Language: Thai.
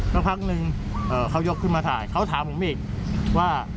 สักพักนึงเขายกขึ้นมาถ่ายเขาถามผมอีกว่า